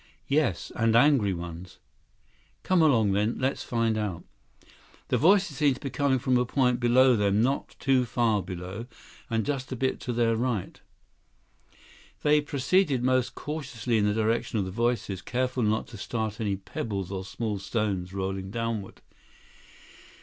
"Yes. And angry ones." "Come along then, let's find out." The voices seemed to be coming from a point below them, not too far below, and just a bit to their right. 128 They proceeded most cautiously in the direction of the voices, careful not to start any pebbles or small stones rolling downward.